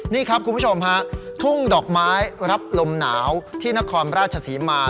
นี่ครับคุณผู้ชมฮะทุ่งดอกไม้รับลมหนาวที่นครราชศรีมา